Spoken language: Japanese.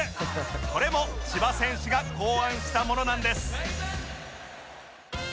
これも千葉選手が考案したものなんです